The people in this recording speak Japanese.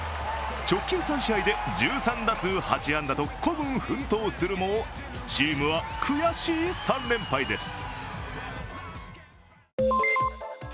直近３試合で１３打数８安打と孤軍奮闘するもチームは悔しい３連敗です。